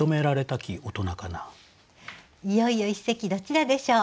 いよいよ一席どちらでしょう。